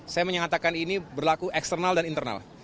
saya menyatakan ini berlaku eksternal dan internal